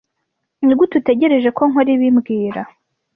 Nigute utegereje ko nkora ibi mbwira